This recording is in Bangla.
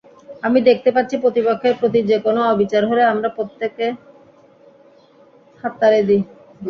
আমি দেখতে পাচ্ছি, প্রতিপক্ষের প্রতি যেকোনো অবিচার হলে আমরা প্রত্যেকে হাততালি দিই।